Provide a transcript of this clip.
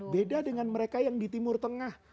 beda dengan mereka yang di timur tengah